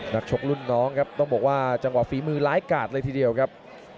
ชกรุ่นน้องครับต้องบอกว่าจังหวะฝีมือร้ายกาดเลยทีเดียวครับ